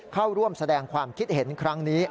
เข้าร่วมแสดงความคิดเห็นครั้งนี้